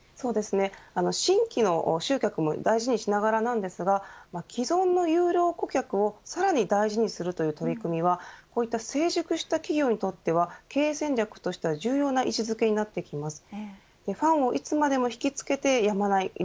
新規の集客も大事にしながらなんですが既存の優良顧客をさらに大事にするという取り組みはこういった成熟した企業にとっては経営戦略としては重要な位置付けになってきます。